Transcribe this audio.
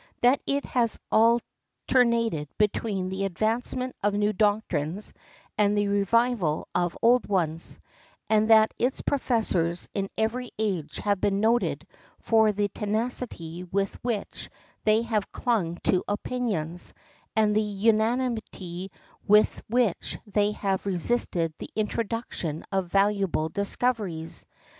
That it has alternated between the advancement of new doctrines and the revival of old ones; and that its professors in every age have been noted for the tenacity with which they have clung to opinions, and the unanimity with which they have resisted the introduction of valuable discoveries.